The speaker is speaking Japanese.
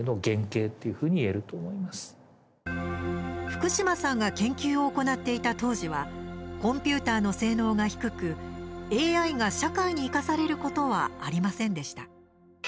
福島さんが研究を行っていた当時はコンピュータの性能が低くＡＩが社会に生かされることはありませんでした。